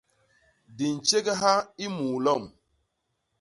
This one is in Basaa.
Di ntjégha i muu lom.